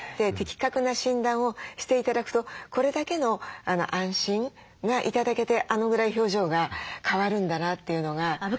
適格な診断をして頂くとこれだけの安心が頂けてあのぐらい表情が変わるんだなっていうのが。